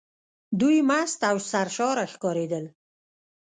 دوی مست او سرشاره ښکارېدل.